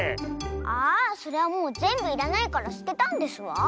ああそれはもうぜんぶいらないからすてたんですわ。